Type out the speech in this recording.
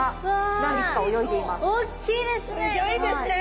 おっきいですね！